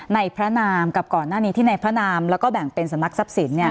ในพระนามกับก่อนหน้านี้ที่ในพระนามแล้วก็แบ่งเป็นสำนักทรัพย์สิน